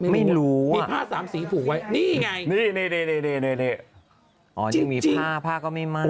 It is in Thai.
ไม่รู้มีผ้าสามสีผูกไว้นี่ไงนี่มีผ้าผ้าก็ไม่ไหม้